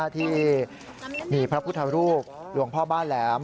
ที่มีพระพุทธรูปหลวงพ่อบ้านแหลม